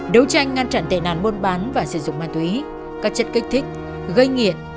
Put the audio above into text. đấu tranh ngăn chặn tệ nạn buôn bán và sử dụng ma túy các chất kích thích gây nghiện